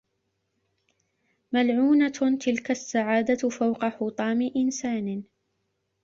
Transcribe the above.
ملعونة تلك السعادة فوق حُطام إنسان.